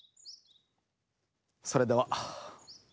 それでは。